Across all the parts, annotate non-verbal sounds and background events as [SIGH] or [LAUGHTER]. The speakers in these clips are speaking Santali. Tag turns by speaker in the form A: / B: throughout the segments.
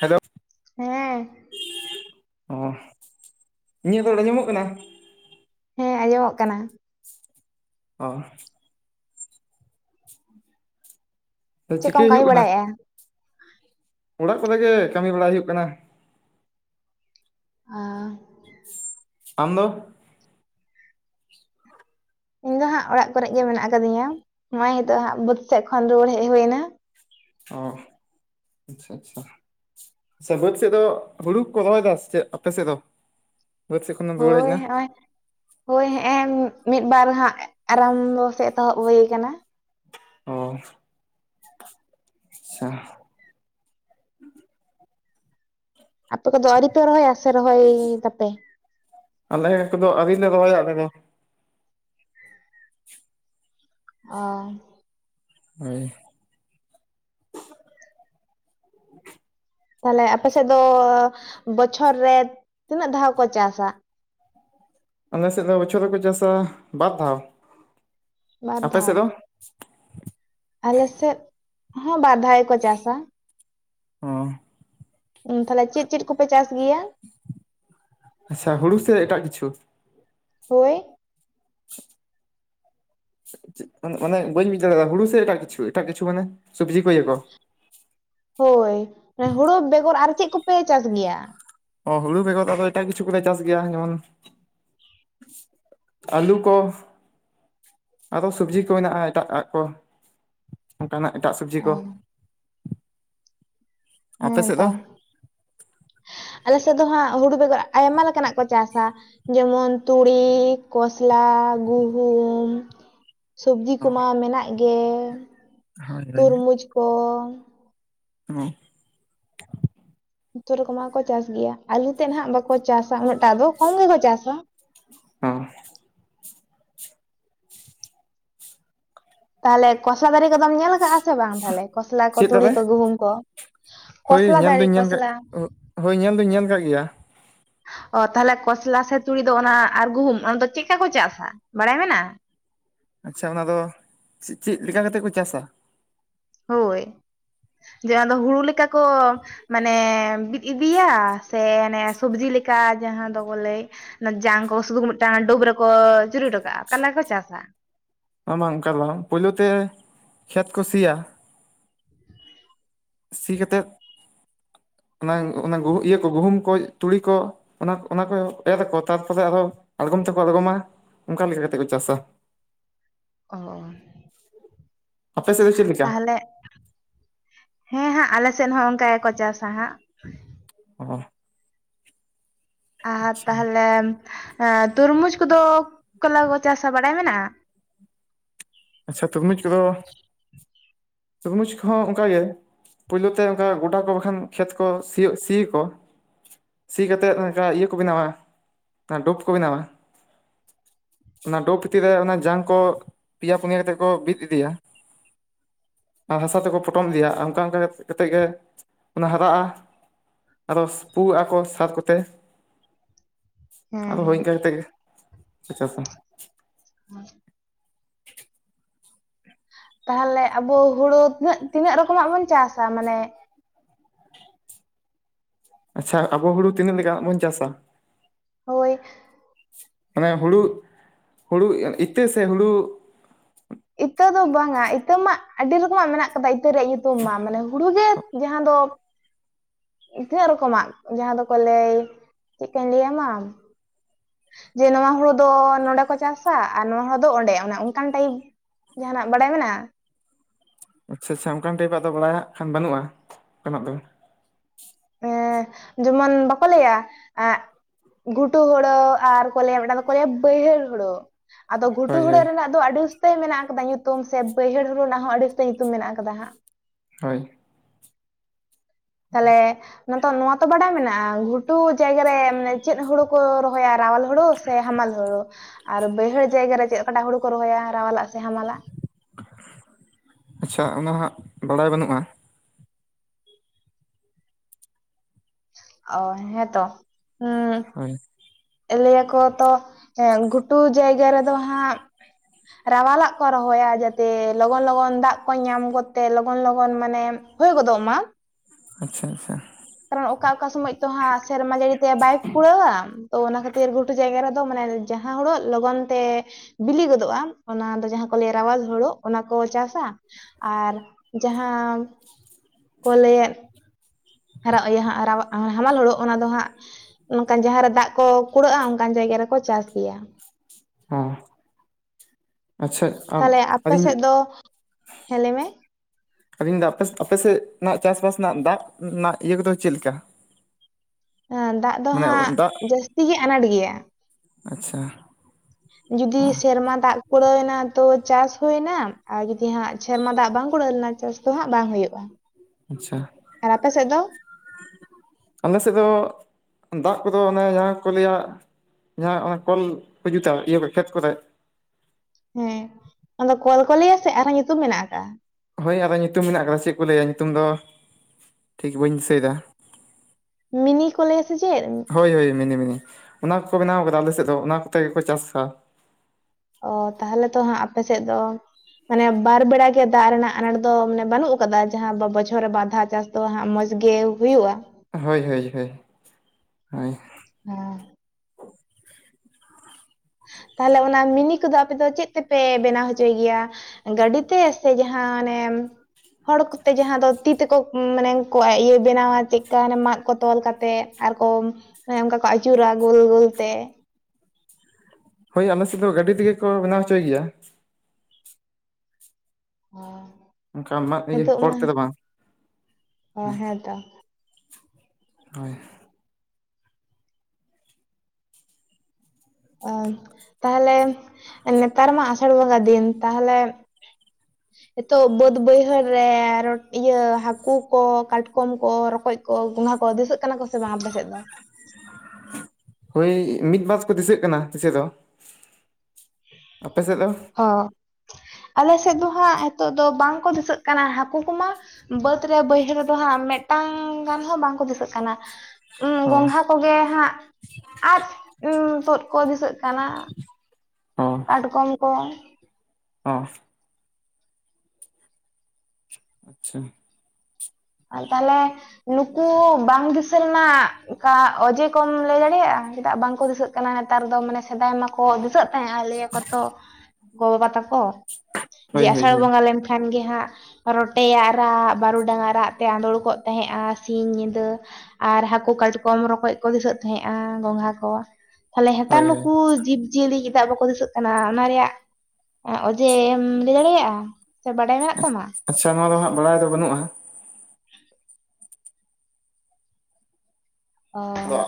A: ᱦᱮᱞᱳ
B: ᱦᱮᱸ
A: ᱤᱧᱟᱹᱜ ᱨᱚᱲ ᱧᱟᱢᱚᱜ ᱠᱟᱱᱟ?
B: ᱦᱮᱸ ᱟᱸᱡᱚᱢᱚᱜ ᱠᱟᱱᱟ᱾
A: ᱚ ᱚ
B: ᱪᱮᱫᱠᱚᱢ
A: ᱪᱤᱠᱟᱹᱭ
B: ᱠᱟᱹᱢᱤ
A: ᱦᱩᱭᱩᱜ ᱠᱟᱱᱟ
B: ᱵᱟᱲᱟᱭᱮᱫᱼᱟ?
A: ᱚᱲᱟᱜ ᱠᱚᱨᱮ ᱜᱮ ᱠᱟᱹᱢᱤ ᱵᱟᱲᱟ ᱦᱩᱭᱩᱜ ᱠᱟᱱᱟ᱾
B: ᱚᱻ
A: ᱟᱢ ᱫᱚ?
B: ᱤᱧ ᱫᱚ ᱦᱟᱸᱜ ᱚᱲᱟᱜ ᱠᱚᱨᱮᱫ ᱜᱮ ᱢᱮᱱᱟᱜ ᱟᱠᱟᱫ ᱤᱧᱟ ᱱᱚᱜ-ᱭᱚ ᱱᱤᱛᱚᱜ ᱦᱟᱸᱜ ᱵᱟᱹᱫ ᱥᱮᱫ ᱠᱷᱚᱱ ᱨᱩᱣᱟᱹᱲ ᱦᱮᱡ ᱦᱩᱭ ᱮᱱᱟ᱾
A: ᱚᱸ ᱟᱪᱪᱷᱟ ᱟᱪᱪᱷᱟ᱾ ᱟᱪᱪᱷᱟ ᱵᱟᱹᱫᱽ ᱥᱮᱫ ᱫᱚ ᱦᱩᱲᱩ ᱠᱚ ᱠᱚ ᱨᱚᱦᱚᱭᱮᱫᱟ ᱪᱮᱫ ᱟᱯᱮ ᱥᱮᱫ ᱫᱚ? ᱵᱟᱹᱫ ᱥᱮᱡ ᱠᱷᱚᱱᱮᱢ ᱨᱩᱟᱹᱲ ᱦᱮᱡ
B: ᱦᱳᱭ
A: ᱮᱱᱟ᱾
B: ᱦᱚᱜᱼᱚᱭ ᱦᱳᱭ ᱦᱮᱸᱫ-ᱮ ᱢᱤᱫ ᱵᱟᱨ ᱦᱟᱸᱜ ᱟᱨᱟᱢᱵᱷᱚ ᱥᱮ ᱮᱛᱚᱦᱚᱵ ᱦᱩᱭ ᱟᱠᱟᱱᱟ᱾
A: ᱚ ᱟᱪᱪᱷᱟ᱾
B: ᱟᱯᱮ ᱠᱚ ᱫᱚ ᱟᱣᱨᱤ ᱯᱮ ᱨᱚᱦᱭᱟ ᱥᱮ ᱨᱚᱦᱚᱭ ᱟᱫᱟᱯᱮ?
A: ᱟᱞᱮ ᱠᱚᱫᱚ ᱟᱣᱨᱤ ᱞᱮ ᱨᱚᱦᱚᱭᱟ ᱟᱞᱮ ᱫᱚ᱾
B: ᱚᱸᱻ
A: ᱦᱮᱸ
B: ᱛᱟᱦᱚᱞᱮ ᱟᱯᱮᱥᱮᱫ ᱫᱚ ᱵᱚᱪᱷᱚᱨ ᱨᱮ ᱛᱤᱱᱟᱹᱜ ᱫᱷᱟᱣ ᱠᱚ ᱪᱟᱥᱟ?
A: ᱟᱞᱮ ᱥᱮᱫ ᱫᱚ ᱵᱚᱪᱷᱚᱨ ᱨᱮᱠᱚ ᱪᱟᱥᱟ ᱵᱟᱫ ᱫᱷᱟᱣ᱾
B: ᱵᱟᱨ
A: ᱟᱯᱮ
B: ᱫᱷᱟᱣ᱾
A: ᱥᱮᱫ ᱫᱚ
B: ᱟᱞᱮ ᱥᱮᱫ ᱦᱚᱸ ᱵᱟᱨ ᱫᱷᱟᱣ ᱜᱮᱠᱚ ᱪᱟᱥᱟ᱾
A: ᱚᱸᱻ
B: ᱛᱟᱦᱞᱮ ᱪᱮᱫ ᱪᱮᱫ ᱠᱚ ᱯᱮ ᱪᱟᱥ ᱜᱮᱭᱟ?
A: ᱟᱪᱪᱷᱟ ᱦᱩᱲᱩ ᱥᱮ ᱮᱴᱟᱜ ᱠᱤᱪᱷᱩ?
B: ᱦᱳᱭ
A: ᱢᱟᱱᱮ ᱵᱟᱹᱧ ᱵᱩᱡ ᱫᱟᱲᱮᱫᱟ ᱦᱩᱲᱩ ᱥᱮ ᱮᱴᱟᱜ ᱠᱤᱪᱷᱩ ᱮᱴᱟᱜ ᱠᱤᱪᱷᱩ ᱢᱟᱱᱮ ᱥᱚᱵᱽᱡᱤ ᱠᱚ ᱤᱭᱟᱹ ᱠᱚ᱾
B: ᱦᱳᱭ ᱦᱩᱲᱩ ᱵᱮᱜᱚᱨ ᱟᱨ ᱪᱮᱫ ᱠᱚᱯᱮ ᱪᱟᱥ ᱜᱮᱭᱟ?
A: ᱚ ᱦᱩᱲᱩ ᱵᱮᱜᱚᱨ ᱟᱫᱚ ᱮᱴᱟᱜ ᱠᱤᱪᱷᱩ ᱠᱚᱞᱮ ᱪᱟᱥ ᱜᱮᱭᱟ ᱡᱮᱢᱚᱱ ᱟᱞᱩ ᱠᱚ ᱟᱫᱚ ᱥᱚᱵᱡᱤ ᱠᱚ ᱢᱮᱱᱟᱜᱼᱟ ᱮᱴᱟᱜᱟᱜ ᱠᱚ ᱚᱱᱠᱟᱱᱟᱜ ᱮᱴᱟᱜ ᱥᱚᱵᱡᱤ
B: ᱚ
A: ᱠᱚ ᱟᱯᱮ
B: ᱦᱮᱸ
A: ᱥᱮᱫ
B: ᱛᱚ
A: [UNINTELLIGIBLE]
B: ᱟᱞᱮ ᱥᱮᱫ ᱫᱚ ᱦᱟᱸᱜ ᱦᱩᱲᱩ ᱵᱮᱜᱚᱨ ᱟᱭᱢᱟ ᱞᱮᱠᱟᱱᱟᱜ ᱠᱚ ᱪᱟᱥᱟ ᱡᱮᱢᱚᱱ ᱛᱩᱲᱤ, ᱠᱷᱚᱥᱞᱟ, ᱜᱩᱸᱦᱩᱢ ᱥᱚᱵᱡᱤ
A: ᱚ
B: ᱠᱚᱢᱟ ᱢᱮᱱᱟᱜ ᱜᱮ
A: ᱦᱳᱭ
B: ᱛᱚᱨᱢᱩᱡᱽ ᱠᱚ
A: ᱚᱸ
B: ᱡᱚᱛᱚ ᱨᱚᱠᱚᱢᱟᱜ ᱠᱚ ᱪᱟᱥ ᱜᱮᱭᱟ ᱟᱞᱩ ᱛᱮᱫ ᱱᱟᱦᱟᱜ ᱵᱟᱠᱚ ᱪᱟᱥᱟ ᱩᱱᱟᱹᱜ ᱴᱟᱜ ᱫᱚ ᱠᱚᱢ ᱜᱮᱠᱚ ᱪᱟᱥᱟ
A: ᱚᱸ
B: ᱛᱟᱦᱚᱞᱮ ᱠᱷᱚᱥᱟ ᱫᱟᱨᱮ ᱠᱚᱫᱚᱢ ᱧᱮᱞ ᱟᱠᱟᱫ ᱥᱮ ᱵᱟᱝ ᱛᱟᱦᱞᱮ ᱠᱷᱚᱥᱞᱟ ᱠᱚ
A: ᱪᱮᱫ
B: ᱛᱩᱲᱤ
A: ᱛᱚᱵᱮ
B: ᱠᱚ ᱜᱩᱸᱦᱩᱢ ᱠᱚ
A: ᱦᱳᱭ
B: ᱠᱚᱥᱞᱟ
A: ᱧᱮᱞ
B: ᱫᱟᱨᱮ
A: ᱫᱩᱧ ᱧᱮᱞ ᱟᱞᱟᱫ
B: ᱠᱚᱥᱞᱟ
A: ᱦᱳ ᱧᱮᱞ ᱫᱩᱧ ᱧᱮᱞ ᱟᱠᱟᱫ ᱜᱮᱭᱟ
B: ᱚ ᱛᱟᱦᱚᱞᱮ ᱠᱷᱚᱥᱞᱟ ᱥᱮ ᱛᱩᱲᱤ ᱫᱚ ᱚᱱᱟ ᱟᱨ ᱜᱩᱸᱦᱩᱢ ᱚᱱᱟ ᱫᱚ ᱪᱮᱫ ᱠᱟ ᱠᱚ ᱪᱟᱥᱟ ᱵᱟᱲᱟᱭ ᱢᱮᱱᱟᱜ-ᱟ
A: ᱟᱪᱪᱷᱟ ᱚᱱᱟ ᱫᱚ ᱥᱮ ᱪᱤᱜ ᱪᱮᱜ ᱞᱮᱠᱟ ᱠᱟᱛᱮᱫ ᱠᱚ ᱪᱟᱥᱟ
B: ᱦᱳᱭ ᱡᱮ ᱚᱱᱟ ᱫᱚ ᱦᱩᱲᱩ ᱞᱮᱠᱟ ᱠᱚ ᱢᱟᱱᱮ ᱵᱤᱫ ᱤᱫᱤᱭᱟ ᱥᱮ ᱚᱱᱮ ᱥᱚᱵᱡᱤ ᱞᱮᱠᱟ ᱡᱟᱦᱟᱸ ᱫᱚ ᱠᱚ ᱞᱟᱹᱭ ᱡᱟᱝ ᱠᱚ ᱥᱩᱫᱩ ᱢᱤᱫᱴᱟᱝ ᱰᱩᱵ ᱨᱮᱠᱚ ᱡᱩᱨᱤ ᱦᱚᱴᱚ ᱠᱟᱜᱼᱟ ᱚᱠᱟᱞᱮᱠᱟ ᱠᱚ ᱪᱟᱥᱟ
A: ᱵᱟᱝ ᱵᱟᱝ ᱚᱱᱠᱟ ᱫᱚ ᱵᱟᱝ ᱯᱩᱭᱞᱩ ᱛᱮ ᱠᱷᱮᱛ ᱠᱚ ᱥᱤᱭᱟ ᱥᱤ ᱠᱟᱛᱮᱫ ᱚᱱᱟ ᱚᱱᱟ ᱤᱭᱟᱹ ᱠᱚ ᱜᱩᱸᱦᱩᱢ ᱠᱚ ᱛᱩᱲᱤ ᱠᱚ ᱚᱱᱟ ᱚᱱᱟ ᱠᱚ ᱮᱨ ᱟᱠᱚ ᱛᱟᱨᱯᱚᱨᱮ ᱟᱨᱚ ᱟᱬᱜᱚᱢ ᱛᱮᱠᱚ ᱟᱬᱜᱚᱢᱟ ᱚᱱᱠᱟ ᱞᱮᱠᱟ ᱠᱟᱛᱮᱜ ᱠᱚ ᱪᱟᱥᱟ
B: ᱚᱻ
A: ᱟᱯᱮ ᱥᱮᱫ ᱫᱚ ᱪᱮᱫ ᱞᱮᱠᱟ
B: ᱛᱟᱦᱚᱞᱮ ᱦᱮᱸ ᱦᱟᱜᱸ ᱟᱞᱮ ᱥᱮᱫ ᱦᱚᱸ ᱚᱱᱠᱟ ᱜᱮᱠᱚ ᱪᱟᱥᱟ ᱦᱟᱸᱜ
A: ᱦᱚᱜᱼᱚ
B: ᱟᱨ
A: ᱟᱪᱪᱷᱟ
B: ᱛᱟᱦᱚᱞᱮ ᱛᱩᱨᱢᱩᱡᱽ ᱠᱚᱫᱚ ᱚᱠᱟ ᱞᱮᱠᱟ ᱠᱚ ᱪᱟᱥᱟ ᱵᱟᱲᱟᱭ ᱢᱮᱱᱟᱜᱼᱟ
A: ᱟᱪᱪᱷᱟ ᱛᱩᱨᱢᱩᱡᱽ ᱠᱚᱫᱚ ᱛᱩᱨᱢᱩᱡᱽ ᱠᱚᱦᱚᱸ ᱚᱱᱠᱟ ᱜᱮ ᱯᱩᱭᱞᱩ ᱛᱮ ᱚᱱᱠᱟ ᱜᱚᱰᱟ ᱠᱚ ᱵᱟᱠᱷᱟᱱ ᱠᱷᱮᱛ ᱠᱚ ᱥᱤᱭᱳᱜ ᱥᱤᱭᱟᱠᱚ ᱥᱤ ᱠᱟᱛᱮᱫ ᱚᱱᱠᱟ ᱤᱭᱟᱹ ᱠᱚ ᱵᱮᱱᱟᱣᱟ ᱚᱱᱟ ᱰᱳᱯ ᱠᱚ ᱵᱮᱱᱟᱣᱟ ᱚᱱᱟ ᱰᱳᱵ ᱵᱷᱤᱛᱤᱨ ᱨᱮ ᱚᱱᱟ ᱡᱟᱝ ᱠᱚ ᱯᱮᱭᱟ ᱯᱩᱱᱭᱟᱹ ᱠᱟᱛᱮᱫ ᱠᱚ ᱵᱤᱫ ᱤᱫᱤᱭᱟ ᱟᱨ ᱦᱟᱥᱟ ᱛᱮᱠᱚ ᱯᱚᱴᱚᱢ ᱤᱫᱤᱭᱟ ᱟᱨ ᱚᱱᱠᱟ ᱚᱱᱠᱟ ᱠᱟᱛᱮᱫ ᱜᱮ ᱚᱱᱟ ᱦᱟᱨᱟᱜᱼᱟ ᱟᱨᱚ ᱯᱩᱣᱟᱜᱼᱟᱠᱚ ᱥᱟᱨ ᱠᱚᱛᱮ
B: ᱦᱮᱸ
A: ᱟᱫᱚ ᱦᱳᱭ
B: ᱦᱮᱸ
A: ᱤᱱᱠᱟᱹ ᱠᱟᱛᱮ ᱜᱮ ᱪᱟᱥ ᱟ
B: [INAUDIBLE]
A: [UNINTELLIGIBLE]
B: ᱛᱟᱦᱚᱞᱮ ᱟᱵᱚ ᱦᱩᱲᱩ ᱛᱤᱱᱟᱹᱜ ᱛᱤᱱᱟᱹᱜ ᱨᱚᱠᱚᱢᱟᱜ ᱵᱚᱱ ᱪᱟᱥᱟ ᱢᱟᱱᱮ
A: ᱟᱪᱪᱷᱟ ᱟᱵᱚ ᱦᱩᱲᱩ ᱛᱤᱱᱟᱹᱜ ᱞᱮᱠᱟᱱ ᱵᱚᱱ ᱪᱟᱥᱟ
B: ᱦᱳᱭ
A: ᱢᱟᱱᱮ ᱦᱩᱲᱩ ᱦᱩᱲᱩ ᱤᱛᱟᱹ ᱥᱮ ᱦᱩᱲᱩ
B: ᱤᱛᱟᱹ ᱫᱚ ᱵᱟᱝᱟ ᱤᱛᱟᱹ ᱢᱟ ᱟᱹᱰᱤ ᱨᱚᱠᱚᱢᱟᱜ ᱢᱮᱱᱟᱜ ᱠᱟᱫᱟ ᱤᱛᱟᱹ ᱨᱮᱭᱟᱜ ᱧᱩᱛᱩᱢ ᱢᱟ ᱢᱟᱱᱮ ᱦᱩᱲᱩ ᱜᱮ ᱡᱟᱦᱟᱸ ᱫᱚ ᱛᱤᱱᱟᱹᱜ ᱨᱚᱠᱚᱢᱟᱜ ᱡᱟᱦᱟᱸ ᱫᱚᱠᱚ ᱞᱟᱹᱭ ᱪᱮᱫᱠᱟᱧ ᱞᱟᱹᱭᱟᱢᱟ ᱡᱮ ᱱᱚᱣᱟ ᱦᱩᱲᱩ ᱫᱚ ᱱᱚᱰᱮ ᱠᱚ ᱪᱟᱥᱟ ᱟᱨ ᱱᱚᱣᱟ ᱦᱩᱲᱩ ᱫᱚ ᱚᱸᱰᱮ ᱚᱱᱟ ᱚᱱᱠᱟᱱ ᱴᱟᱭᱤᱯ ᱡᱟᱦᱟᱱᱟᱜ ᱵᱟᱲᱟᱭ ᱢᱮᱱᱟᱜᱼᱟ᱾
A: ᱟᱪᱪᱷᱟ ᱟᱪᱪᱷᱟ ᱚᱱᱠᱟᱱ ᱴᱟᱭᱤᱯᱟᱜ ᱫᱚ ᱵᱟᱲᱟᱭᱟᱜ ᱠᱷᱟᱱ ᱵᱟᱹᱱᱩᱜᱼᱟ ᱚᱱᱠᱟᱱᱟᱜ ᱫᱚ
B: ᱦᱮᱸ ᱡᱮᱢᱚᱱ ᱵᱟᱠᱚ ᱞᱟᱹᱭᱟ ᱮᱸ ᱜᱷᱩᱴᱩ ᱦᱩᱲᱟᱹ ᱟᱨ ᱠᱚ ᱞᱟᱹᱭᱟ ᱢᱤᱫᱴᱟᱝ ᱫᱚᱠᱚ ᱞᱟᱹᱭᱼᱟ ᱵᱟᱹᱭᱦᱟᱹᱲ ᱦᱩᱲᱩ ᱟᱫᱚ ᱜᱷᱩᱴᱩ
A: ᱦᱳᱭ
B: ᱦᱩᱲᱟᱹ
A: ᱦᱳᱭ
B: ᱨᱮᱱᱟᱜ ᱫᱚ ᱟᱹᱰᱤ ᱢᱮᱱᱟᱜ ᱠᱟᱫᱟ' ᱧᱩᱛᱩᱢ ᱥᱮ ᱵᱟᱹᱭᱦᱟᱹᱲ ᱦᱩᱲᱩ ᱨᱮᱱᱟᱜ ᱦᱚᱸ ᱟᱰᱤ ᱩᱥᱛᱟᱹᱭ ᱧᱩᱛᱩᱢ ᱢᱮᱱᱟᱜ ᱠᱟᱫᱟ' ᱦᱟᱜ
A: ᱦᱳᱭ
B: ᱛᱟᱦᱚᱞᱮ ᱱᱚᱣᱟᱛᱚ ᱱᱚᱣᱟ ᱛᱚ ᱵᱟᱰᱟᱭ ᱢᱮᱱᱟᱜᱼᱟ, ᱜᱷᱩᱴᱩ ᱡᱟᱭᱜᱟ ᱨᱮ ᱢᱟᱱᱮ ᱪᱮᱫ ᱦᱩᱲᱩ ᱠᱚ ᱨᱚᱦᱚᱭᱟ ᱨᱟᱣᱟᱞ ᱦᱩᱲᱩ ᱥᱮ ᱦᱟᱢᱟᱞ ᱦᱩᱲᱩ, ᱟᱨ ᱵᱟᱹᱭᱦᱟᱹᱲ ᱡᱟᱭᱜᱟ ᱨᱮ ᱪᱮᱫᱠᱟᱴᱟᱜ ᱦᱩᱲᱩ ᱠᱚ ᱨᱚᱦᱚᱭᱼᱟ, ᱨᱟᱣᱟᱞᱟᱜ ᱥᱮ ᱦᱟᱢᱟᱞᱟᱜ?
A: [INAUDIBLE] ᱟᱪᱪᱷᱟ ᱚᱱᱟ ᱦᱟᱸᱜ ᱵᱟᱲᱟᱭ ᱵᱟᱹᱱᱩᱜᱼᱟ᱾
B: ᱚ ᱦᱮᱸᱛᱚ ᱦᱩᱸ
A: ᱦᱳᱭ
B: ᱞᱟᱹᱭᱟᱠᱚ ᱛᱚ ᱦᱮᱸ ᱜᱷᱩᱴᱩ ᱡᱟᱭᱜᱟ ᱨᱮᱫᱚ ᱦᱟᱸᱜ ᱨᱟᱣᱟᱞᱟᱜ ᱠᱚ ᱨᱚᱦᱚᱭᱟ ᱡᱟᱛᱮ ᱞᱚᱜᱚᱱ ᱞᱚᱜᱚᱱ ᱫᱟᱜ ᱠᱚᱭ ᱧᱟᱢ ᱜᱚᱫᱛᱮ ᱞᱚᱜᱚᱱ ᱞᱚᱜᱚᱱ ᱢᱟᱱᱮ ᱦᱩᱭ ᱜᱚᱫᱚᱜ ᱢᱟ᱾
A: ᱟᱪᱪᱷᱟ ᱟᱪᱪᱷᱟ
B: ᱟᱨᱦᱚ ᱚᱠᱟ ᱚᱠᱟ ᱥᱚᱢᱚᱭ ᱛᱚ ᱦᱟᱸᱜ ᱥᱮᱨᱢᱟ ᱡᱟᱹᱲᱤ ᱛᱮ ᱵᱟᱭ ᱠᱩᱲᱟᱹᱣᱼᱟ, ᱛᱚ ᱚᱱᱟ ᱠᱷᱟᱹᱛᱤᱨ ᱜᱷᱩᱴᱩ ᱡᱟᱭᱜᱟ ᱨᱮ ᱫᱚ ᱢᱟᱱᱮ ᱡᱟᱦᱟᱸ ᱦᱚᱲᱟᱜ ᱞᱚᱜᱚᱱ ᱛᱮ ᱵᱤᱞᱤ ᱜᱚᱫᱚᱜᱼᱟ ᱚᱱᱟ ᱫᱚ ᱡᱟᱦᱟᱸ ᱠᱚ ᱞᱟᱹᱭᱟ ᱨᱟᱣᱟᱞ ᱦᱩᱲᱩ ᱚᱱᱟ ᱠᱚ ᱪᱟᱥᱟ ᱟᱨ ᱡᱟᱦᱟᱸ ᱠᱚ ᱞᱟᱹᱭᱮᱫ ᱦᱟᱨᱟᱜ ᱭᱟ ᱦᱟᱸᱜ ᱦᱟᱢᱟᱞ ᱦᱩᱲᱩ ᱚᱱᱟ ᱫᱚ ᱦᱟᱸᱜ ᱚᱱᱠᱟᱱ ᱡᱟᱦᱟᱸ ᱨᱮ ᱫᱟᱜ ᱠᱚ ᱠᱩᱲᱟᱹᱜᱼᱟ ᱚᱱᱠᱟᱱ ᱡᱟᱭᱜᱟ ᱨᱮᱠᱚ ᱪᱟᱥ ᱜᱮᱭᱟ᱾
A: ᱦᱚᱸ ᱟᱪᱪᱷᱟ ᱟᱨ
B: ᱛᱟᱦᱚᱞᱮ ᱟᱯᱮ
A: ᱟᱹᱰᱤ
B: ᱥᱮᱫ ᱫᱚ ᱦᱮᱸ ᱞᱟᱹᱭ ᱢᱮ
A: ᱟᱹᱞᱤᱧ ᱫᱚ ᱟᱯᱮ ᱟᱯᱮ ᱥᱮᱫᱱᱟᱜ ᱪᱟᱥᱵᱟᱥ ᱨᱮᱱᱟᱜ ᱫᱟᱜ ᱨᱮᱱᱟᱜ ᱤᱭᱟᱹ ᱠᱚᱫᱚ ᱪᱮᱫᱞᱮᱠᱟ?
B: ᱮ ᱫᱟᱜ ᱫᱚ ᱦᱟᱸᱜ
A: ᱫᱟᱜ
B: ᱡᱟᱹᱥᱛᱤ ᱜᱮ ᱟᱱᱟᱴ ᱜᱮᱭᱟ᱾
A: ᱟᱪᱪᱷᱟ
B: ᱡᱩᱫᱤ ᱥᱮᱨᱢᱟ ᱫᱟᱜ ᱠᱩᱲᱟᱹᱣᱱᱟ ᱛᱚ ᱪᱟᱥ ᱦᱩᱭᱱᱟ, ᱟᱨ ᱡᱩᱫᱤ ᱦᱟᱸᱜ ᱥᱮᱨᱢᱟ ᱫᱟᱜ ᱵᱟᱝ ᱠᱩᱲᱟᱹᱣ ᱞᱮᱱᱟ ᱪᱟᱥ ᱫᱚ ᱦᱟᱸᱜ ᱵᱟᱝ ᱦᱩᱭᱩᱜᱼᱟ᱾
A: ᱟᱪᱪᱷᱟ ᱾
B: ᱟᱨ ᱟᱯᱮ ᱥᱮᱫ ᱫᱚ
A: ᱟᱞᱮ ᱥᱮᱫ ᱫᱚ ᱫᱟᱜ ᱠᱚᱫᱚ ᱚᱱᱮ ᱡᱟᱦᱟᱸ ᱠᱚ ᱞᱟᱹᱭᱟ ᱡᱟᱦᱟᱸ ᱚᱱᱟ ᱠᱚᱞ ᱠᱚ ᱡᱩᱛᱟ ᱤᱭᱟᱹ ᱠᱚ ᱠᱷᱮᱛ ᱠᱚᱨᱮ
B: ᱦᱮᱸ ᱟᱫᱚ ᱠᱚᱞ ᱠᱚ ᱞᱟᱹᱭᱟ ᱥᱮ ᱟᱨᱦᱚᱸ ᱧᱩᱛᱩᱢ ᱢᱮᱱᱟᱜ ᱟᱠᱟᱜᱼᱟ?
A: ᱦᱳᱭ ᱟᱫᱚ ᱧᱩᱛᱩᱢ ᱢᱮᱱᱟᱜ ᱟᱠᱟᱫᱟ ᱪᱮᱫ ᱠᱚ ᱞᱟᱹᱭᱟ, ᱧᱩᱛᱩᱢ ᱫᱚ ᱴᱷᱤᱠ ᱵᱟᱹᱧ ᱫᱤᱥᱟᱹᱭᱮᱫᱟ᱾
B: ᱢᱤᱱᱤ ᱠᱚ ᱞᱟᱹᱭ ᱟᱥᱮ ᱪᱮᱫ
A: ᱦᱳᱭ ᱦᱳᱭ ᱢᱤᱱᱤ ᱼ ᱢᱤᱱᱤ ᱚᱱᱟ ᱠᱚᱠᱚ ᱵᱮᱱᱟᱣ ᱟᱠᱟᱫᱟ ᱟᱞᱮᱥᱮᱫ ᱫᱚ ᱚᱱᱟ ᱠᱚᱛᱮ ᱜᱮᱠᱚ ᱪᱟᱥᱟ ᱟᱠᱟ᱾
B: ᱚ ᱛᱟᱦᱚᱞᱮ ᱛᱚ ᱦᱟᱸᱜ ᱟᱯᱮ ᱥᱮᱫ ᱫᱚ ᱢᱟᱱᱮ ᱵᱟᱨ ᱵᱮᱲᱟ ᱜᱮ ᱫᱟᱜ ᱨᱮᱱᱟᱜ ᱟᱱᱟᱴ ᱫᱚ ᱢᱟᱱᱮ ᱵᱟᱹᱱᱩᱜ ᱟᱠᱟᱫᱟ ᱡᱟᱦᱟᱸ ᱵᱚᱪᱷᱚᱨ ᱨᱮ ᱵᱟᱫᱷᱟ ᱪᱟᱥ ᱛᱚ ᱦᱟᱸᱜ ᱢᱚᱡᱽ ᱜᱮ ᱦᱩᱭᱩᱜᱼᱟ᱾
A: ᱦᱳᱭ ᱦᱳᱭ ᱦᱳᱭ ᱦᱳᱭ
B: [INAUDIBLE] ᱛᱟᱦᱚᱞᱮ ᱚᱱᱟ ᱢᱤᱱᱤ ᱠᱚᱫᱚ ᱟᱯᱮ ᱫᱚ ᱪᱮᱫ ᱛᱮᱯᱮ ᱵᱮᱱᱟᱣ ᱦᱚᱪᱚᱭ ᱜᱮᱭᱟ? ᱜᱟᱹᱰᱤ ᱛᱮ ᱥᱮ ᱡᱟᱦᱟᱸ ᱟᱱᱮ ᱦᱚᱲ ᱠᱚᱛᱮ ᱡᱟᱦᱟᱸ ᱫᱚ ᱛᱤ ᱛᱮᱠᱚ ᱢᱟᱱᱮ ᱠᱚ ᱤᱭᱟᱹ ᱵᱮᱱᱟᱣᱼᱟ, ᱪᱮᱫᱠᱟᱮ ᱢᱟᱜ ᱠᱚ ᱛᱚᱞ ᱠᱟᱛᱮᱮᱫ ᱟᱨ ᱠᱚᱢ ᱚᱱᱮ ᱚᱱᱠᱟ ᱠᱚ ᱟᱪᱩᱨᱟ ᱜᱳᱞ ᱜᱳᱞ ᱛᱮ᱾
A: ᱦᱳᱭ ᱟᱞᱮ ᱥᱮᱫ ᱫᱚ ᱜᱟᱹᱰᱤ ᱛᱮᱜᱮ ᱠᱚ ᱵᱮᱱᱟᱣ ᱦᱚᱪᱚᱭ ᱮᱭᱟ ᱾
B: [UNINTELLIGIBLE]
A: ᱚᱱᱠᱟ ᱢᱟᱫ ᱤᱭᱟᱹ
B: ᱱᱤᱛᱚᱜ
A: ᱦᱚᱲ
B: ᱢᱟ
A: ᱛᱮᱫᱚ ᱵᱟᱝ?
B: ᱚ ᱦᱮᱸᱛᱚ ᱾
A: ᱦᱳᱭ
B: ᱦᱚᱭ ᱛᱟᱦᱞᱮ ᱱᱮᱛᱟᱨ ᱢᱟ ᱟᱥᱟᱲ ᱵᱚᱸᱜᱟ ᱫᱤᱱ ᱛᱟᱦᱞᱮ ᱾
A: [UNINTELLIGIBLE]
B: ᱱᱤᱛᱚᱜ ᱵᱟᱹᱫ ᱵᱟᱹᱭᱦᱟᱹᱲ ᱨᱮ ᱨᱚᱴ ᱤᱭᱟᱹ ᱦᱟᱹᱠᱩ ᱠᱚ ᱠᱟᱴᱠᱚᱢ ᱠᱚ ᱨᱚᱠᱚᱡᱼᱼ ᱠᱚ ᱜᱚᱸᱜᱷᱟ ᱠᱚ ᱫᱤᱥᱟᱹᱜ ᱠᱟᱱᱟ ᱠᱚ ᱥᱮ ᱵᱟᱝ ᱟᱯᱮ ᱥᱮᱫ ᱫᱚ?
A: ᱦᱳᱭ ᱢᱤᱫ ᱵᱟᱥ ᱠᱚ ᱫᱤᱥᱟᱹᱜ ᱠᱟᱱᱟ ᱫᱤᱥᱟᱹ ᱫᱚ ᱟᱯᱮ ᱥᱮᱫ ᱫᱚ?
B: ᱦᱚᱸ ᱟᱞᱮ ᱥᱮᱫ ᱫᱚ ᱦᱟᱸᱜ ᱱᱤᱛᱚᱜ ᱫᱚ ᱵᱟᱝ ᱠᱚ ᱫᱤᱥᱟᱹᱜ ᱠᱟᱱᱟ ᱦᱟᱹᱠᱩ ᱠᱚᱢᱟᱼᱼ ᱵᱟᱹᱫᱽ ᱨᱮ ᱵᱟᱹᱭᱦᱟᱹᱲ ᱨᱮᱫᱚ ᱦᱟᱸᱜ ᱢᱤᱫᱴᱟᱝ ᱜᱟᱱ ᱦᱚᱸ ᱵᱟᱝᱠᱚ ᱫᱤᱥᱟᱹᱜ ᱠᱟᱱᱟ᱾
A: ᱚ
B: ᱜᱚᱸᱜᱷᱟ ᱠᱚᱜᱮ ᱦᱟᱸᱜ ᱟᱫ ᱛᱳᱫ ᱠᱚ ᱫᱤᱥᱟᱹᱜ ᱠᱟᱱᱟ ᱾
A: ᱚ
B: ᱠᱟᱴᱠᱚᱢ ᱠᱚ᱾
A: ᱚ ᱟᱪᱪᱷᱟ
B: ᱛᱟᱦᱚᱞᱮᱼᱼ ᱱᱩᱠᱩ ᱵᱟᱝ ᱫᱤᱥᱟᱹ ᱨᱮᱱᱟᱜ ᱠᱟ ᱚᱡᱮ ᱠᱚᱢ ᱞᱟᱹᱭ ᱫᱟᱲᱮᱭᱟᱜᱼᱟ ᱪᱮᱫᱟᱜ ᱵᱟᱝᱠᱚ ᱫᱤᱥᱟᱹᱜ ᱠᱟᱱᱟ? ᱠᱟᱱᱟ ᱱᱮᱛᱟᱨ ᱫᱚ ᱢᱟᱱᱮ ᱥᱮᱫᱟᱭ ᱢᱟᱠᱚ ᱫᱤᱥᱟᱹᱜ ᱛᱟᱦᱮᱸᱜᱼᱟ ᱞᱟᱹᱭᱟᱠᱚ ᱛᱚ ᱜᱚ ᱵᱟᱵᱟ ᱛᱟᱠᱚ᱾ ᱡᱮ
A: ᱦᱳᱭ ᱦᱳᱭ
B: ᱟᱥᱟᱲ
A: ᱦᱳᱭ
B: ᱵᱚᱸᱜᱟ ᱞᱮᱱᱠᱷᱟᱱ ᱜᱮ ᱦᱟᱸᱜ ᱨᱚᱴᱮᱭᱟᱜ ᱨᱟᱜ ᱵᱟᱹᱨᱩᱰᱟᱝ ᱟᱜ ᱨᱟᱜᱼᱼ ᱛᱮ ᱟᱸᱫᱳᱲ ᱠᱚᱜ ᱛᱟᱦᱮᱸᱜᱼᱟ ᱥᱤᱧ ᱧᱤᱫᱟᱹ᱾ ᱟᱨ ᱦᱟᱹᱠᱩ ᱠᱟᱴᱠᱚᱢ ᱨᱚᱠᱚᱡ ᱠᱚ ᱫᱤᱥᱟᱹᱜ ᱛᱟᱦᱮᱸᱫᱼᱟ ᱜᱚᱸᱜᱷᱟ ᱠᱚ᱾ ᱛᱟᱦᱚᱞᱮ ᱦᱮᱛᱟᱨ
A: ᱦᱳᱭ ᱦᱳᱭ
B: ᱱᱩᱠᱩ ᱡᱤᱵᱽᱼᱡᱤᱭᱟᱹᱞᱤ ᱪᱮᱫᱟᱜ ᱵᱟᱠᱚ ᱫᱤᱥᱟᱹᱜ ᱠᱟᱱᱟ ᱚᱱᱟ ᱨᱮᱭᱟᱜᱼᱼ ᱚᱡᱮᱢ ᱞᱟᱹᱭ ᱫᱟᱲᱮᱭᱟᱜᱼᱟ ᱥᱮ ᱵᱟᱰᱟᱭ ᱢᱮᱱᱟᱜ ᱛᱟᱢᱟ?
A: ᱟᱪᱪᱷᱟ ᱱᱚᱣᱟ ᱫᱚ ᱦᱟᱸᱜ ᱵᱟᱲᱟᱭ ᱫᱚ ᱵᱟᱹᱱᱩᱜᱼᱟ᱾
B: ᱚᱻ
A: ᱟᱫᱚ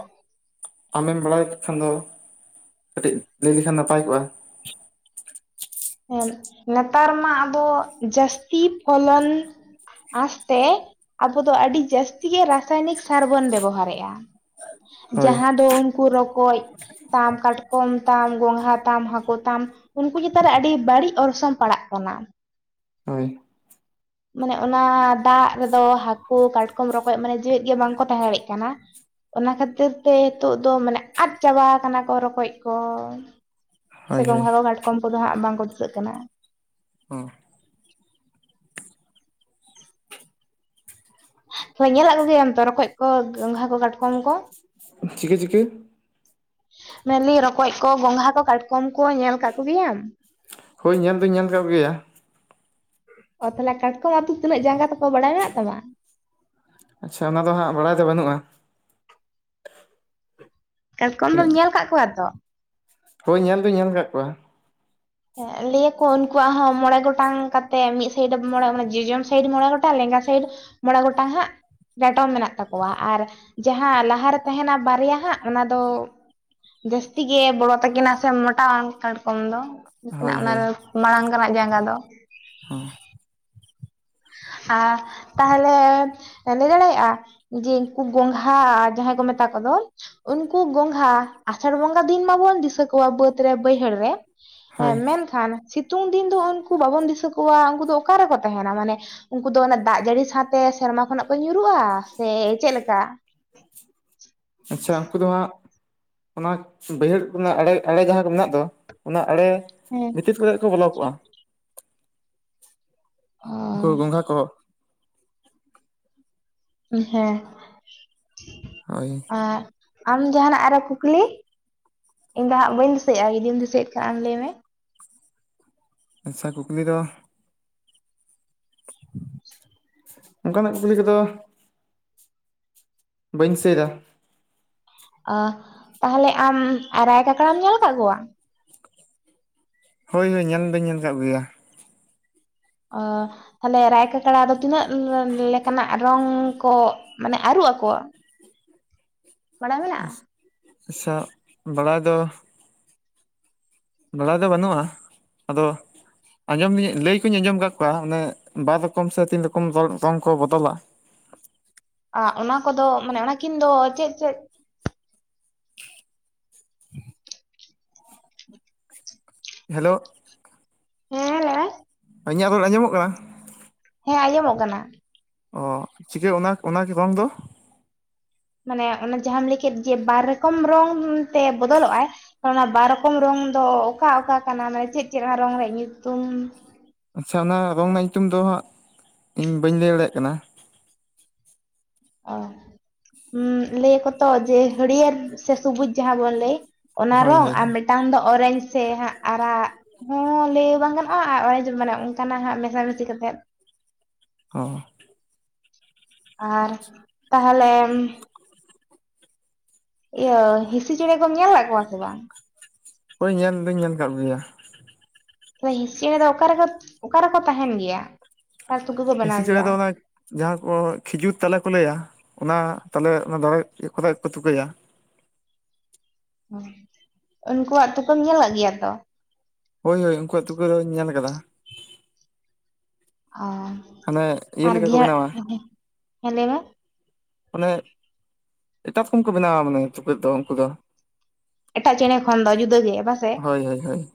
A: ᱟᱢᱮᱢ ᱵᱟᱲᱟᱭ ᱠᱷᱟᱱ ᱫᱚ ᱠᱟᱹᱴᱤᱡ ᱞᱟᱹᱭ ᱞᱮᱠᱷᱟᱱ ᱱᱟᱯᱟᱭ ᱠᱚᱜᱼᱟ᱾
B: ᱦᱮᱸ ᱱᱮᱛᱟᱨ ᱢᱟ ᱟᱵᱚ ᱡᱟᱹᱥᱛᱤ ᱯᱷᱚᱞᱚᱱᱼᱼ ᱟᱥᱛᱮ ᱟᱵᱚ ᱫᱚ ᱟᱹᱰᱤ ᱡᱟᱹᱥᱛᱤ ᱜᱮ ᱨᱟᱥᱟᱭᱱᱤᱠ ᱥᱟᱨ ᱵᱚᱱ ᱵᱮᱵᱚᱦᱟᱨᱮᱜᱼᱟ᱾
A: ᱦᱳᱭ
B: ᱡᱟᱦᱟᱸ ᱫᱚᱼᱼ ᱠᱩ ᱨᱚᱠᱚᱡ ᱛᱟᱢ ᱠᱟᱴᱠᱚᱢ ᱛᱟᱢ ᱜᱚᱝᱜᱷᱟ ᱛᱟᱢ ᱦᱟᱹᱠᱩ ᱛᱟᱢ ᱩᱱᱠᱩ ᱪᱮᱛᱟᱱ ᱨᱮ ᱟᱹᱰᱤᱼᱼ ᱵᱟᱹᱲᱤᱡ ᱚᱨᱥᱚᱝ ᱯᱟᱲᱟᱜ ᱠᱟᱱᱟ᱾
A: ᱦᱳᱭ
B: ᱢᱟᱱᱮ ᱚᱱᱟ ᱫᱟᱜ ᱨᱮᱫᱚ ᱦᱟᱹᱠᱩ ᱠᱟᱴᱠᱚᱢ ᱨᱚᱠᱚᱡ ᱢᱟᱱᱮ ᱡᱮᱣᱮᱫ ᱜᱮ ᱵᱟᱝᱠᱚ ᱛᱟᱦᱮᱸ ᱫᱟᱲᱭᱟᱜ ᱠᱟᱱᱟ᱾ ᱚᱱᱟ ᱠᱷᱟᱹᱛᱤᱨ ᱛᱮ ᱦᱮᱛᱳᱜ ᱫᱚ ᱢᱟᱱᱮ ᱟᱫᱽ ᱪᱟᱵᱟ ᱠᱟᱱᱟ ᱠᱚ ᱨᱚᱠᱚᱡ ᱠᱚ᱾ ᱥᱮ
A: ᱦᱳᱭ ᱦᱳᱭ
B: ᱜᱚᱝᱜᱷᱟ ᱠᱚ ᱠᱟᱴᱠᱚᱢ ᱠᱚᱫᱚ ᱦᱟᱸᱜ ᱵᱟᱝᱠᱚ ᱪᱤᱠᱟᱹᱜ ᱠᱟᱱᱟ᱾ ᱛᱚ ᱧᱮᱞᱟᱜ ᱠᱚᱜᱮᱭᱟᱢ ᱛᱚ ᱨᱚᱠᱚᱡ ᱠᱚ ᱜᱚᱝᱜᱷᱟ ᱠᱚ ᱠᱟᱴᱠᱚᱢ ᱠᱚ
A: ᱪᱤᱠᱟᱹ ᱪᱤᱠᱟᱹ?
B: ᱢᱮᱱᱞᱤ ᱨᱚᱠᱚᱡ ᱠᱚ ᱜᱚᱝᱜᱷᱟ ᱠᱚ ᱠᱟᱴᱠᱚᱢ ᱠᱚ ᱧᱮᱞ ᱠᱟᱫ ᱠᱚᱜᱮᱭᱟᱢ?
A: ᱦᱳᱭ ᱧᱮᱞ ᱫᱩᱧ ᱧᱮᱞ ᱟᱠᱟᱫ ᱜᱮᱭᱟ᱾
B: ᱚ ᱛᱟᱦᱚᱞᱮ ᱠᱟᱴᱠᱚᱢ ᱟᱛᱳ ᱛᱤᱱᱟᱹᱜ ᱡᱟᱸᱜᱟ ᱛᱟᱠᱚ ᱵᱟᱲᱟᱭ ᱢᱮᱱᱟᱜ ᱛᱟᱢᱟ?
A: ᱟᱪᱪᱷᱟ ᱚᱱᱟ ᱫᱚ ᱦᱟᱸᱜ ᱵᱟᱲᱟᱭ ᱫᱚ ᱵᱟᱹᱱᱩᱜᱼᱟ᱾
B: ᱠᱟᱴᱠᱚᱢ ᱫᱚᱢ
A: ᱛᱤᱱᱟᱹᱜ
B: ᱧᱮᱞ ᱟᱠᱟᱫ ᱠᱚᱣᱟ ᱛᱚ?
A: ᱦᱳᱭ ᱧᱮᱞ ᱫᱩᱧ ᱧᱮᱞ ᱟᱠᱟᱫ ᱠᱚᱣᱟ᱾
B: ᱦᱮᱸ ᱞᱟᱹᱭ ᱟᱠᱚ ᱩᱱᱠᱩᱣᱟᱜ ᱦᱚᱸ ᱢᱚᱬᱮ ᱜᱚᱴᱟᱝ ᱠᱟᱛᱮᱜ ᱢᱤᱫ ᱥᱟᱭᱤᱰ ᱢᱚᱬᱮ ᱡᱚᱡᱚᱢ ᱥᱟᱭᱤᱰ ᱢᱚᱬᱮ ᱜᱚᱴᱟᱝ ᱞᱮᱸᱜᱟ ᱥᱟᱭᱤᱰᱼᱼ ᱢᱚᱬᱮ ᱜᱚᱴᱟᱝ ᱦᱟᱸᱜᱼᱼ ᱰᱟᱴᱚᱢ ᱢᱮᱱᱟᱜ ᱛᱟᱠᱚᱣᱟ ᱟᱨ ᱡᱟᱦᱟᱸ ᱞᱟᱦᱟᱨᱮ ᱛᱟᱦᱮᱱᱟ ᱵᱟᱨᱭᱟ ᱦᱟᱸᱜ ᱚᱱᱟ ᱫᱚ ᱡᱟᱹᱥᱛᱤ ᱜᱮ ᱵᱚᱲᱚ ᱛᱟᱹᱠᱤᱱᱟ ᱥᱮ ᱢᱚᱴᱟᱣᱟᱱ ᱠᱟᱴᱠᱚᱢ ᱫᱚ, ᱩᱱᱠᱤᱱᱟᱜ
A: ᱦᱳᱭ
B: ᱚᱱᱟ
A: ᱦᱳᱭ
B: ᱨᱮ ᱢᱟᱲᱟᱝ ᱨᱮᱱᱟᱜ ᱡᱟᱸᱜᱟ ᱫᱚ,
A: ᱦᱩᱸ
B: [UNINTELLIGIBLE] ᱛᱟᱦᱚᱞᱮ ᱞᱟᱹᱭ ᱫᱟᱲᱮᱭᱟᱜᱼᱟ ᱡᱮ ᱩᱱᱠᱩ ᱜᱚᱝᱜᱷᱟ ᱡᱟᱦᱟᱸᱭ ᱠᱚ ᱢᱮᱛᱟ ᱠᱚᱫᱚ, ᱩᱱᱠᱩ ᱜᱚᱝᱜᱷᱟ ᱟᱥᱟᱲ ᱵᱚᱸᱜᱟ ᱫᱤᱱ ᱢᱟᱵᱚᱱ ᱫᱤᱥᱟᱹ ᱠᱚᱣᱟ ᱵᱟᱹᱫᱽ ᱨᱮ ᱵᱟᱹᱭᱦᱟᱹᱲ ᱨᱮ᱾
A: ᱦᱳᱭ
B: ᱢᱮᱱᱠᱷᱟᱱ ᱥᱤᱛᱩᱝ ᱫᱤᱱ ᱫᱚ ᱩᱱᱠᱩ ᱵᱟᱵᱚᱱ ᱫᱤᱥᱟᱹ ᱠᱚᱣᱟ ᱩᱱᱠᱩ ᱫᱚ ᱚᱠᱟ ᱨᱮᱠᱚ ᱛᱟᱦᱮᱱᱟ ᱢᱟᱱᱮ, ᱩᱱᱠᱩ ᱫᱚ ᱚᱱᱟ ᱫᱟᱜ ᱡᱟᱹᱲᱤ ᱥᱟᱶᱛᱮ ᱥᱮᱨᱢᱟ ᱠᱷᱚᱱᱟᱜ ᱠᱚ ᱧᱩᱨᱩᱜᱼᱟ ᱥᱮ ᱪᱮᱫ ᱞᱮᱠᱟ?
A: ᱟᱪᱪᱷᱟ ᱩᱱᱠᱩ ᱫᱚ ᱦᱟᱸᱜ ᱚᱱᱟ ᱵᱟᱹᱭᱦᱟᱹᱲ ᱨᱮᱱᱟᱜ ᱟᱲᱮ ᱟᱲᱮ ᱡᱟᱦᱟᱸ ᱠᱚ ᱢᱮᱱᱟᱜ ᱫᱚ ᱚᱱᱟ ᱟᱲᱮ
B: ᱦᱮᱸ
A: ᱵᱷᱤᱛᱤᱛ ᱠᱚᱨᱮ ᱠᱚ ᱵᱚᱞᱚ ᱠᱚᱜᱼᱟ᱾
B: ᱚᱜ
A: ᱩᱱᱠᱩ ᱜᱚᱝᱜᱷᱟ ᱠᱚ,
B: ᱦᱮᱸ
A: ᱦᱳᱭ
B: ᱮᱸᱜ ᱟᱢ ᱡᱟᱦᱟᱱᱟᱜ ᱟᱨᱚ ᱠᱩᱠᱞᱤ, ᱤᱧ ᱫᱚ ᱦᱟᱸᱜ ᱵᱟᱹᱧ ᱫᱤᱥᱟᱹᱭᱼᱟ ᱡᱤᱫᱤᱢ ᱫᱤᱥᱟᱹᱭᱮᱫ ᱠᱷᱟᱡ ᱟᱢ ᱞᱟᱹᱭ ᱢᱮ,
A: ᱟᱪᱪᱷᱟ ᱠᱩᱠᱞᱤ ᱫᱚ ᱚᱱᱠᱟᱱᱟᱜ ᱠᱩᱠᱞᱤ ᱠᱚᱫᱚ ᱵᱟᱹᱧ ᱫᱤᱥᱟᱹᱭᱮᱫᱟ᱾
B: ᱟ- ᱛᱟᱦᱚᱞᱮ ᱟᱢ ᱨᱟᱭ ᱠᱟᱠᱲᱟᱢ ᱧᱮᱞ ᱟᱠᱟᱣ ᱠᱚᱣᱟ?
A: ᱦᱳᱭ ᱦᱳᱭ ᱧᱮᱞ ᱫᱚᱧ ᱧᱮᱞ ᱟᱠᱟᱫ ᱜᱮᱭᱟ᱾
B: ᱚ ᱛᱟᱦᱚᱞᱮ ᱨᱟᱭ ᱠᱟᱠᱲᱟ ᱫᱚ ᱛᱤᱱᱟᱹᱜ ᱞᱮᱠᱟᱱᱟᱜ ᱨᱚᱝ ᱠᱚ, ᱢᱟᱱᱮ ᱟᱹᱨᱩ ᱟᱠᱚᱣᱟᱜ᱾
A: ᱟᱪᱪᱷᱟ ᱵᱟᱲᱟᱭ ᱫᱚ, ᱵᱟᱲᱟᱭ ᱫᱚ ᱵᱟᱹᱱᱩᱜᱼᱟ᱾ ᱟᱫᱚ ᱟᱸᱡᱚᱢ ᱞᱟᱹᱭ ᱠᱚᱧ ᱟᱸᱡᱚᱢ ᱟᱠᱟᱫ ᱠᱚᱣᱟ ᱚᱱᱮ ᱵᱟᱨ ᱨᱚᱠᱚᱢ ᱥᱮ ᱛᱤᱱ ᱨᱚᱠᱚᱢ ᱨᱚᱝ ᱠᱚ ᱵᱚᱫᱚᱞᱟ᱾
B: ᱟ, ᱚᱱᱟ ᱠᱚᱫᱚ ᱢᱟᱱᱮ ᱚᱱᱟᱠᱤᱱ ᱫᱚ ᱪᱮᱫ ᱪᱮᱫ?
A: [INAUDIBLE] ᱦᱮᱞᱳ
B: ᱦᱮᱸ ᱞᱮᱢᱮ
A: ᱤᱧᱟᱹᱜ ᱨᱚᱲ ᱟᱸᱡᱚᱢᱚᱜ ᱠᱟᱱᱟ ᱾
B: ᱦᱮᱸ ᱟᱸᱡᱚᱢᱚᱜ ᱠᱟᱱᱟ᱾
A: ᱚ ᱪᱤᱠᱟᱹ ᱚᱱᱟ ᱚᱱᱟ ᱨᱚᱝ ᱫᱚ,
B: ᱢᱟᱱᱮ ᱚᱱᱟ ᱡᱟᱦᱟᱸ ᱞᱟᱹᱭ ᱠᱮᱫ ᱡᱮ ᱵᱟᱨ ᱨᱚᱠᱚᱢ ᱨᱚᱝ ᱛᱮ ᱵᱚᱫᱚᱞᱚᱜᱼᱟᱭ ᱚᱱᱟ ᱵᱟᱨ ᱨᱚᱠᱚᱢ ᱨᱚᱝ ᱫᱚ ᱚᱠᱟ ᱚᱠᱟ ᱠᱟᱱᱟ ᱢᱟᱱᱮ ᱪᱮᱫ ᱪᱮᱫ ᱚᱱᱟ ᱨᱚᱝ ᱨᱮᱭᱟᱜ ᱧᱩᱛᱩᱢ?
A: ᱟᱪᱷᱟ ᱚᱱᱟ ᱨᱚᱝ ᱨᱮᱱᱟᱜ ᱧᱩᱛᱩᱢ ᱫᱚ ᱦᱟᱸᱜ ᱤᱧ ᱵᱟᱹᱧ ᱞᱟᱹᱭ ᱫᱟᱲᱮᱭᱟᱜ ᱠᱟᱱᱟ᱾
B: ᱚ ᱞᱟᱹᱭ ᱟᱠᱚ ᱛᱚ ᱡᱮ ᱦᱟᱹᱨᱭᱟᱹᱲ ᱥᱮ ᱥᱩᱵᱩᱡ ᱡᱟᱦᱟᱸ ᱵᱚᱱ ᱞᱟᱹᱭ ᱚᱱᱟ
A: ᱦᱳᱭ
B: ᱨᱚᱝ
A: ᱦᱳᱭ
B: ᱟᱨ
A: ᱦᱳᱭ
B: ᱢᱤᱫᱴᱟᱝ ᱫᱚ ᱚᱨᱮᱧᱡᱽ ᱥᱮ ᱦᱟᱸᱜ ᱟᱨᱟᱜ ᱦᱚ ᱞᱟᱹᱭ ᱵᱟᱝ ᱜᱟᱱᱚᱜᱼᱟ ᱟᱨ ᱚᱨᱮᱡᱽ ᱢᱟᱱᱮ ᱚᱱᱠᱟᱱᱟᱜ ᱦᱟᱸᱜ ᱢᱮᱥ ᱢᱮᱤᱥᱤ ᱠᱟ ᱠᱟᱛᱮᱫ,
A: [UNINTELLIGIBLE]
B: ᱟᱨ ᱛᱟᱦᱚᱞᱮᱢ ᱤᱭᱟᱹ ᱦᱤᱥᱤ ᱪᱮᱬᱮ ᱠᱚᱢ ᱧᱮᱞ ᱠᱟᱜ ᱠᱚᱣᱟ ᱥᱮ ᱵᱟᱝ?
A: ᱳᱭ ᱧᱮᱞ ᱫᱩᱧ ᱧᱮᱞ ᱟᱠᱟᱫ ᱜᱮᱭᱟ᱾
B: ᱦᱮ ᱦᱤᱸᱥᱤ ᱪᱮᱬᱮ ᱫᱚ ᱚᱠᱟᱨᱮ ᱚᱠᱟ ᱨᱮᱠᱚ ᱛᱟᱦᱮᱱ ᱜᱮᱭᱟ? ᱟᱨ ᱛᱩᱠᱟᱹ ᱠᱚ ᱵᱮᱱᱟᱣ
A: ᱦᱤᱸᱥᱤ ᱪᱮᱬᱮ
B: ᱜᱮᱭᱟ
A: ᱫᱚ ᱚᱱᱟᱭ ᱡᱟᱦᱟᱸ ᱠᱚ ᱠᱷᱤᱡᱩᱨ ᱛᱟᱞᱮ ᱠᱚ ᱞᱟᱹᱭᱟ, ᱚᱱᱟ ᱛᱟᱞᱮ ᱚᱱᱟ ᱫᱟᱨᱮ ᱠᱚᱨᱮᱜ ᱠᱚ ᱛᱩᱠᱟᱹᱭᱟ᱾
B: ᱚ ᱩᱱᱠᱩᱣᱟᱜ ᱛᱚᱠᱩᱢ ᱧᱮᱞᱠᱟᱜ ᱜᱮᱭᱟ ᱛᱚ?
A: ᱦᱳᱭ ᱦᱳᱭ ᱩᱱᱠᱩᱣᱟᱜ ᱛᱩᱠᱟᱹ ᱫᱚᱧ ᱧᱮᱞ ᱠᱟᱫᱟ᱾
B: ᱚ
A: ᱦᱟᱱᱮ ᱤᱭᱟᱹ
B: ᱟᱨ
A: ᱞᱮᱠᱟ ᱠᱚ
B: ᱜᱷᱮᱫ
A: ᱵᱮᱱᱟᱣᱟ
B: ᱦᱮ ᱞᱟᱹᱭ ᱢᱮ᱾
A: ᱢᱟᱱᱮ ᱮᱴᱟᱜ ᱨᱚᱠᱚᱢ ᱠᱚ ᱵᱮᱱᱟᱣᱟ ᱢᱟᱱᱮ ᱛᱩᱠᱟᱹ ᱫᱚ ᱩᱱᱠᱩ ᱫᱚ᱾
B: ᱮᱴᱟᱜ ᱪᱮᱬᱮ ᱠᱷᱚᱱ ᱫᱚ ᱡᱩᱫᱟᱹ ᱜᱮ ᱵᱟᱝᱥᱮ?
A: ᱦᱳᱭ ᱦᱳᱭ ᱦᱳᱭ᱾